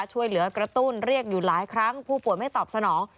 ช่วยเหลือกระตุ้นเรียกอยู่หลายครั้งผู้ป่วยไม่ตอบสนอง